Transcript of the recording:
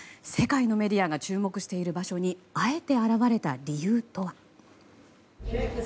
世界のメディアが注目している場所にあえて現れた理由とは。